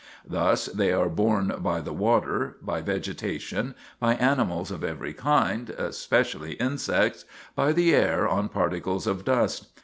Thus they are borne by the water, by vegetation, by animals of every kind, especially insects, by the air on particles of dust.